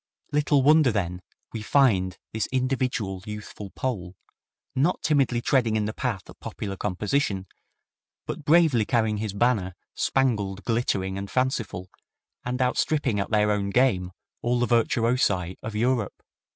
Little wonder, then, we find this individual, youthful Pole, not timidly treading in the path of popular composition, but bravely carrying his banner, spangled, glittering and fanciful, and outstripping at their own game all the virtuosi of Europe.